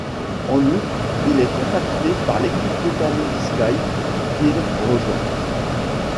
En août, il est contacté par l'équipe britannique Sky qu'il rejoint.